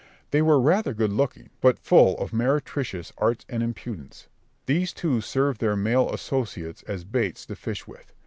They were rather good looking, but full of meretricious arts and impudence. These two served their male associates as baits to fish with.